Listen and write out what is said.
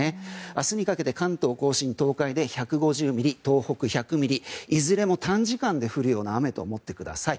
明日にかけて関東・甲信、東海で１５０ミリ東北、１００ミリいずれも短時間で降るような雨と思ってください。